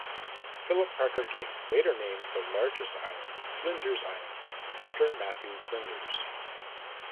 Phillip Parker King later named the largest island Flinders Island, after Matthew Flinders.